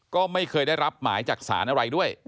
ก็ไม่เคยได้รับหมายจากศาลอะไรด้วย